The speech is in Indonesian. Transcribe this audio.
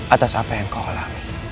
atas apa yang kau alami